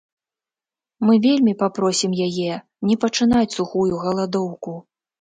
Мы вельмі папросім яе не пачынаць сухую галадоўку.